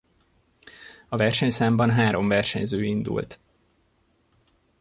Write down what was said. A versenyszámban három versenyző indult.